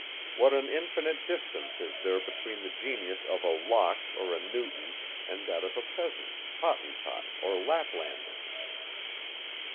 What an infinite distance is there between the genius of a Locke or a Newton, and that of a peasant, Hottentot, or Laplander?